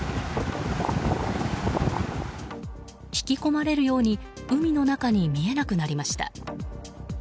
引き込まれるように海の中に見えなくなりました。